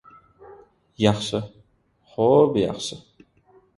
Yaxshi, xo‘b yaxshi.